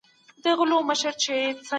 قرآن د ښه چلند سپارښتنه کوي.